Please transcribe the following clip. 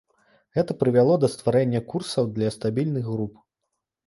Гэта прывяло да стварэння курсаў для стабільных груп.